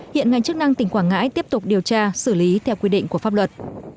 hiện ngành chức năng tỉnh quảng ngãi tiếp tục điều tra xử lý theo quy định của pháp luật